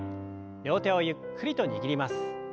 両手をゆっくりと握ります。